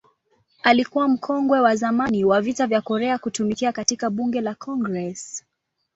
Alikuwa mkongwe wa zamani wa Vita vya Korea kutumikia katika Bunge la Congress.